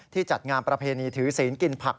จัดงานประเพณีถือศีลกินผัก